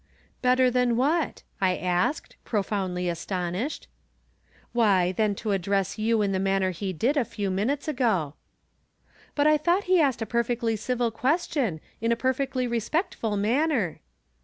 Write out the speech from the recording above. . 'Better than what?" I asked, profoundly as tonished. " Why, than to address you in the manner he did a few minutes ago." " But I thought he asked a perfectly civil ques tion, in a perfectly re^spectful manner."